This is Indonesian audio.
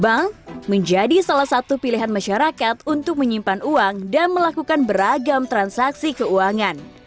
bank menjadi salah satu pilihan masyarakat untuk menyimpan uang dan melakukan beragam transaksi keuangan